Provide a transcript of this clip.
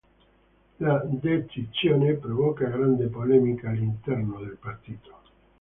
La decisione provoca grande polemica all’interno del Partito.